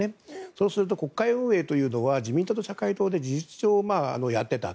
そうすると国会運営は自民党と社会党で事実上やってた。